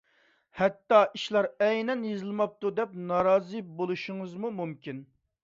ھەتتا ئىشلار ئەينەن يېزىلماپتۇ دەپ نارازى بولۇشىڭىزمۇ مۇمكىن.